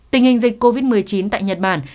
tình hình dịch covid một mươi chín tại nhật bản